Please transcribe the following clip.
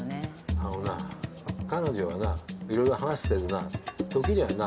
あのな彼女はないろいろ話しててな時にはな